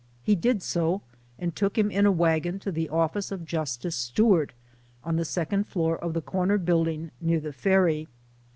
He did so, and took him in a wagon to the office of Justice Stewart, on the second floor of the corner building near the ferry.